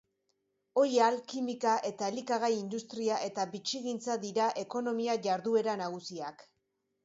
Oihal-, kimika- eta elikagai-industria eta bitxigintza dira ekonomia-jarduera nagusiak.